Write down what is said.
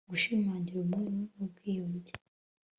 gushimangira ubumwe n'ubwiyunge